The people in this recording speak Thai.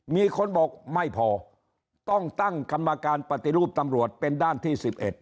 มีคนบอกไม่พอต้องตั้งกรรมการปฏิรูปตำรวจเป็นด้านที่๑๑